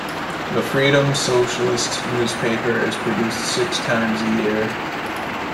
The "Freedom Socialist" newspaper is produced six times a year.